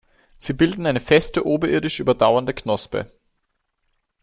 Sie bilden eine feste, oberirdisch überdauernde Knospe.